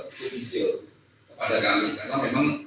itu istil kepada kami karena memang